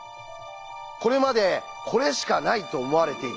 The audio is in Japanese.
これまで「これしかない」と思われていた